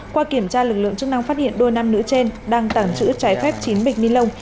qua kiểm tra lực lượng chức năng phát hiện đôi nam nữ trên đang tàng trữ trái phép chín bệnh mi lông